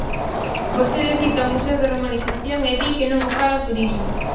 Vostede cita o Museo da Romanización e di, que non o faga Turismo.